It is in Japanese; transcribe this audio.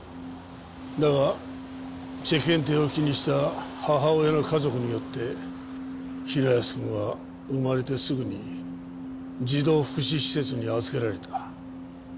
だが世間体を気にした母親の家族によって平安くんは生まれてすぐに児童福祉施設に預けられた。